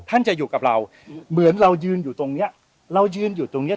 จะอยู่กับเราเหมือนเรายืนอยู่ตรงเนี้ยเรายืนอยู่ตรงเนี้ย